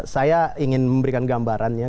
saya ingin memberikan gambarannya